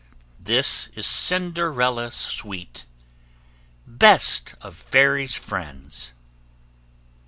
This is Cinderella sweet BEST OF FAIRY'S FRIENDS.